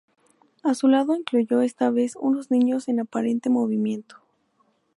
A su lado incluyó esta vez unos niños en aparente movimiento.